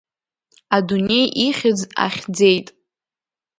Адунеи ихьӡ ахьӡеит.